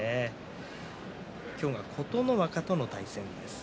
今日は琴ノ若との対戦です。